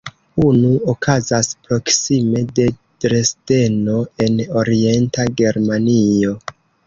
Unu okazas proksime de Dresdeno en orienta Germanio.